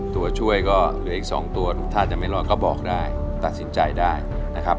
ตัวช่วยก็เหลืออีก๒ตัวถ้าจะไม่รอดก็บอกได้ตัดสินใจได้นะครับ